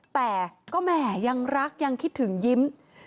แต่ก็แหมยังรักยังคิดถึงยิ้ม